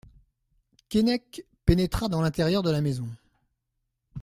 Keinec pénétra dans l'intérieur de la maison.